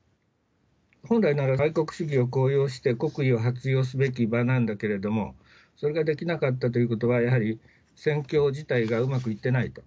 本来なら愛国主義を高揚して、国威を発揚すべき場なんだけれども、それができなかったということは、やはり、戦況自体がうまくいってないと。